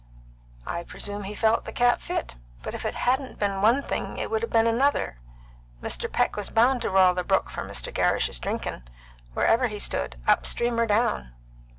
"I presume he felt the cap fit. But if it hadn't b'en one thing, 'twould b'en another. Mr. Peck was bound to roil the brook for Mr. Gerrish's drinkin', wherever he stood, up stream or down."